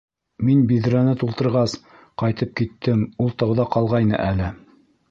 -Мин биҙрәне тултырғас ҡайтып киттем, ул тауҙа ҡалғайны әле.